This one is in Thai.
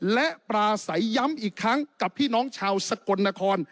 และปราศัยย้ำอีกครั้งกับพี่น้องชาวสกลนคร